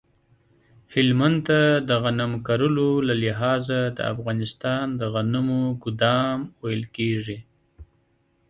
هلمند ته د غنم کرلو له لحاظه د افغانستان د غنمو ګدام ویل کیږی